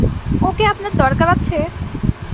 ওঁকে আপনার দরকার আছে?